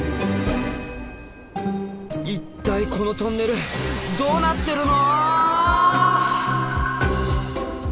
一体このトンネルどうなってるの！